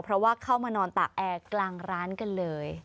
เพราะว่าเข้ามานอนตากแอร์กลางร้านกันเลย